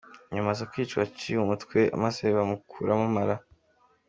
Nyuma aza kwicwa aciwe umutwe, maze bamukuramo amara.